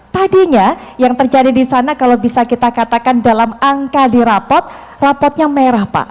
tadinya yang terjadi di sana kalau bisa kita katakan dalam angka di rapot rapotnya merah pak